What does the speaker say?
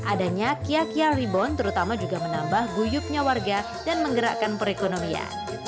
adanya kia kiyar rebound terutama juga menambah guyupnya warga dan menggerakkan perekonomian